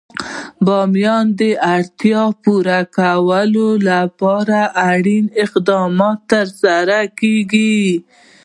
د بامیان د اړتیاوو پوره کولو لپاره اړین اقدامات ترسره کېږي.